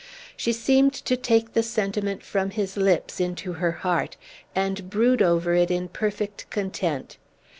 She seemed to take the sentiment from his lips into her heart, and brood over it in perfect content.